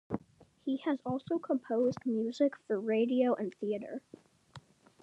He has also composed music for radio and theatre.